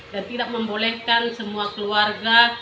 dan tidak membolehkan semua keluarga